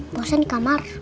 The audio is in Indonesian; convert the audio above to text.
bosen di kamar